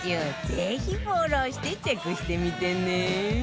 ぜひフォローしてチェックしてみてね